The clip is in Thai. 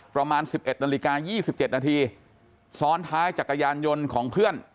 ประมาณสิบเอ็ดนาฬิกายี่สิบเจ็ดนาทีซ้อนท้ายจักรยานยนต์ของเพื่อน